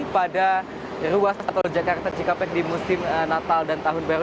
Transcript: pada ruas tol jakarta cikampek di musim natal dan tahun baru